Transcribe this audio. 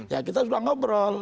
ya kita sudah ngobrol